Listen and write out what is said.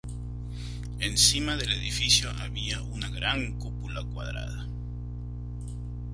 Encima del edificio había una gran cúpula cuadrada.